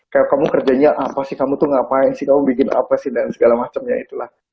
kayak kamu kerjanya apa sih kamu tuh ngapain sih kamu bikin apa sih dan segala macamnya itulah